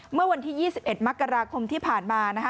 เมื่อวันที่๒๑มกราคมที่ผ่านมานะคะ